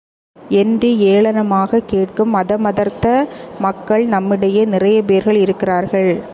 என்று ஏளனமாகக் கேட்கும் மதமதர்த்த மக்கள் நம்மிடையே நிறைய பேர்கள் இருக்கிறார்கள்.